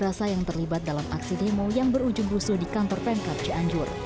rasa yang terlibat dalam aksi demo yang berujung rusuh di kantor pemkap cianjur